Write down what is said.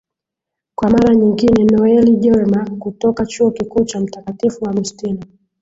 kwa mara nyingine noeli jorma kutoka chuo kikuu cha mtakatifu agustino